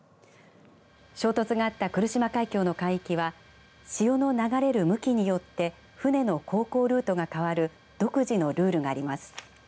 衝突があった来島海峡の海域は潮の流れる向きによって船の航行ルートが変わる独自のルールがあります。